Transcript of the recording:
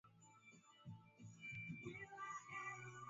kueneza dini hiyo Mashariki mwa Kongo Kiswahili kimeenea